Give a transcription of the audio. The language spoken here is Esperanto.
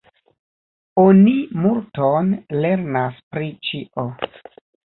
Oni multon lernas pri ĉio.